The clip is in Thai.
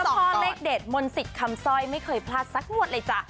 ส่วนเลขเด็ดโมนซิตคำสวยไม่เคยพลาดสักหมวดเลยจ้ะ